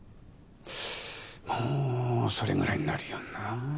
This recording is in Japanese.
もうそれぐらいになるよな？